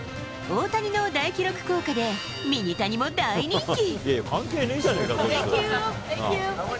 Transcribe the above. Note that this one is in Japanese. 大谷の大記録効果で、ミニタニも大人気。